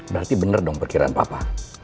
berarti benar dong perkiraan papa